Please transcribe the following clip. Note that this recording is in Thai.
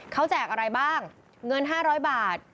เขาแจกอะไรบ้างเงิน๕๐๐บาท